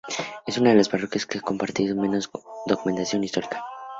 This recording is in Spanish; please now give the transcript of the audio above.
Es una de las parroquias que ha aportado menos documentación histórica.